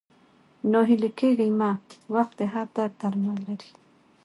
ناهيلی کيږه مه ، وخت د هر درد درمل لري